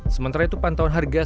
sementara itu pantauan harga